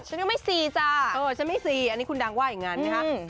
ฉันยังไม่ซีจ้ะเออฉันไม่ซีอันนี้คุณดังว่าอย่างนั้นนะคะ